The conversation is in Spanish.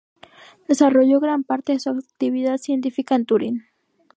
Desarrolló gran parte de su actividad científica en Turín.